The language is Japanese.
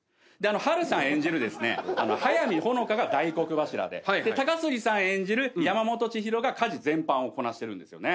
波瑠さん演じるですね速見穂香が大黒柱で高杉さん演じる山本知博が家事全般をこなしてるんですよね。